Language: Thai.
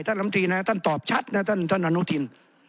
ท่านลำตีนะท่านตอบชัดนะท่านท่านอนุทิน